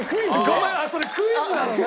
ごめんそれクイズなのね？